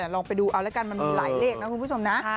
ลองไปดูเอาแล้วกันมันมีหลายเลขนะคุณผู้ชมนะ